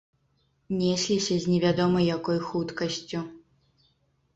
Несліся з невядома якой хуткасцю.